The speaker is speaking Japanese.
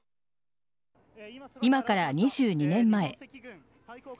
今から２２年前。